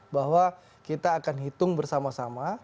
bahwa kita akan hitung bersama sama